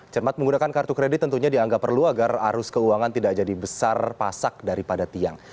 cermat menggunakan kartu kredit tentunya dianggap perlu agar arus keuangan tidak jadi besar pasak daripada tiang